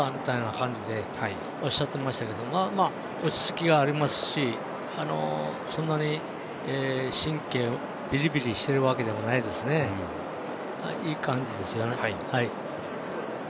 これもきゅう務装鞍した感じとおっしゃっていましたけど落ち着きがありますしそんなに神経もぐじぐじしているわけでもなくいい感じですよね。